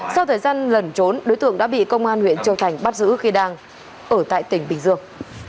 sau thời gian lẩn trốn đối tượng đã bị công an huyện châu thành bắt giữ khi đang ở tại tỉnh bình dương